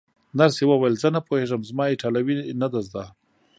نرسې وویل: زه نه پوهېږم، زما ایټالوي نه ده زده.